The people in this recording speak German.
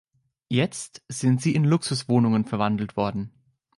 Jetzt sind sie in Luxuswohnungen verwandelt worden.